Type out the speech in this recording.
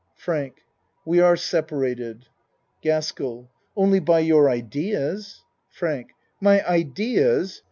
FRANK We are separated. GASKELL Only by your ideas. FRANK My ideas!